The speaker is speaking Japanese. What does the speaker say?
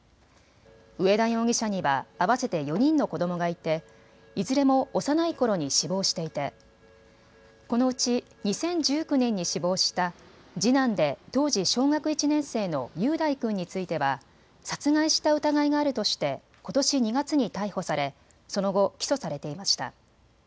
上田容疑者には合わせて４人の子どもがいていずれも幼いころに死亡していてこのうち２０１９年に死亡した次男で当時、小学１年生の雄大君については殺害した疑いがあるとして、ことし２月に逮捕されその後、起訴されていました。